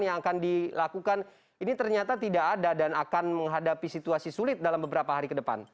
yang akan dilakukan ini ternyata tidak ada dan akan menghadapi situasi sulit dalam beberapa hari ke depan